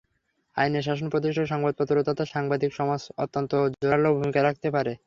আইনের শাসন প্রতিষ্ঠায় সংবাদপত্র তথা সাংবাদিক সমাজ অত্যন্ত জোরালো ভূমিকা রাখতে পারে।